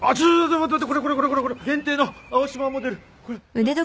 待って待ってこれこれ限定の青島モデル。